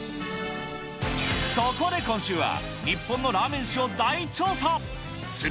そこで今週は、日本のラーメン史を大調査。